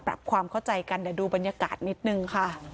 ปรับความเข้าใจกันดูบรรยากาศนิดหนึ่ง